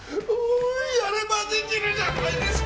やれば出来るじゃないですか！